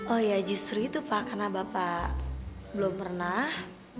oh ya justru itu pak karena bapak belum pernah